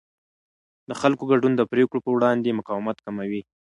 د خلکو ګډون د پرېکړو پر وړاندې مقاومت کموي